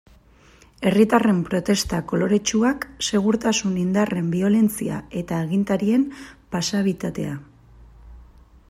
Herritarren protesta koloretsuak, segurtasun indarren biolentzia eta agintarien pasibitatea.